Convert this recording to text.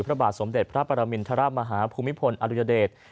พระบาทสมเด็จพระปรมินทรมาฮาภูมิพลอดุญเดช